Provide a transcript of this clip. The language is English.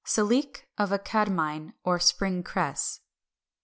Silique of a Cadamine or Spring Cress.